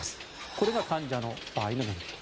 これが患者の場合のメリット。